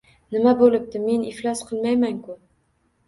— Nima boʼlibdi? Men iflos qilmayman-ku.